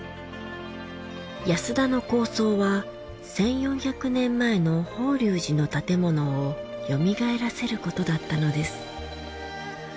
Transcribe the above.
安田の構想は１４００年前の法隆寺の建物をよみがえらせることだったのです。